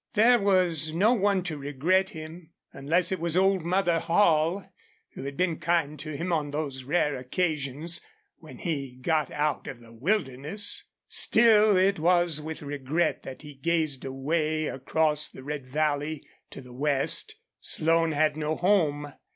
There was no one to regret him, unless it was old Mother Hall, who had been kind to him on those rare occasions when he got out of the wilderness. Still, it was with regret that he gazed away across the red valley to the west. Slone had no home.